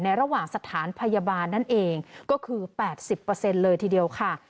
ระหว่างสถานพยาบาลนั่นเองก็คือ๘๐เลยทีเดียวค่ะ